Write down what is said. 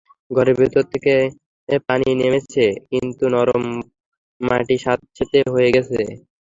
ঘরের ভেতর থেকে পানি নেমেছে, কিন্তু নরম মাটি স্যাঁতসেঁতে হয়ে আছে।